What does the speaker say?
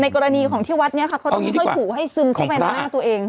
กรณีของที่วัดนี้ค่ะเขาต้องค่อยถูให้ซึมเข้าไปในหน้าตัวเอง